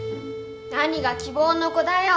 何が希望の子だよ！